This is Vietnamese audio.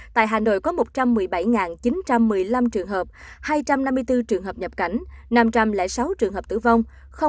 tại hà nội có một trăm một mươi bảy chín trăm một mươi năm trường hợp hai trăm năm mươi bốn trường hợp nhập cảnh năm trăm linh sáu trường hợp tử vong